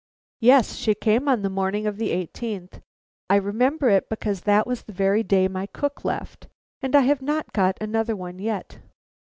"Yes; she came on the morning of the eighteenth. I remember it because that was the very day my cook left, and I have not got another one yet."